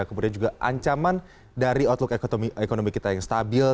kemudian juga ancaman dari outlook ekonomi kita yang stabil